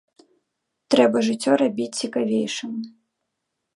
Трэба жыццё рабіць цікавейшым.